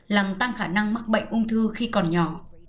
làm tăng khả năng mắc bệnh ung thư khi còn nhỏ